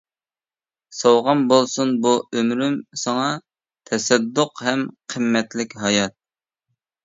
سوۋغام بولسۇن بۇ ئۆمرۈم ساڭا، تەسەددۇق ھەم قىممەتلىك ھايات.